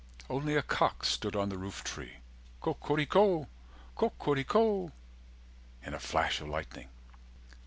390 Only a cock stood on the rooftree Co co rico co co rico In a flash of lightning.